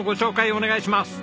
お願いします！